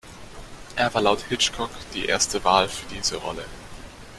Er war laut Hitchcock die erste Wahl für diese Rolle.